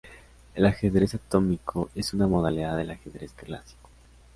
El ajedrez atómico es una modalidad del ajedrez clásico.